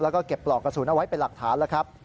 แล้วก็เก็บปลอกกระสุนเอาไว้เป็นหลักฐานแล้วครับ